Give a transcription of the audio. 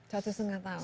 satu setengah tahun